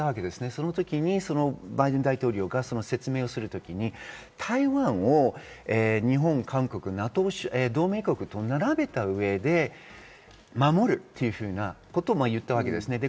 そのときバイデン大統領が説明する時に、台湾を日本、韓国、ＮＡＴＯ同盟国と並べた上で、守るというふうなことを言ったわけです。